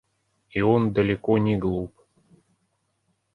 И он далеко не глуп.